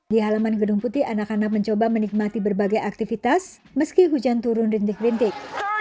di halaman gedung putih anak anak mencoba menikmati berbagai aktivitas meski hujan turun rintik rintik